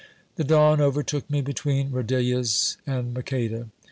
The dawn overtook me between Rodillas and Maqueda.